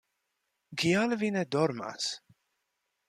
Kial vi ne dormas?